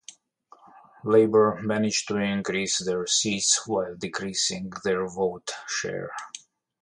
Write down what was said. Labour managed to increase their seats while decreasing their vote share.